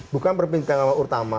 bukan pertimbangan utama